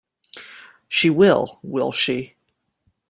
She will, will she?